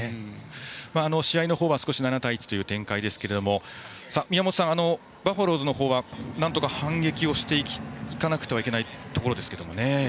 試合の方は７対１という展開ですが宮本さん、バファローズの方はなんとか反撃をしなくてはいけないところですが。